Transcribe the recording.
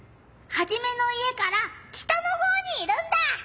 ハジメの家から北のほうにいるんだ！